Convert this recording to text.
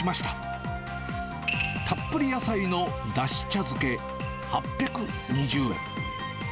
たっぷり野菜のだし茶漬け８２０円。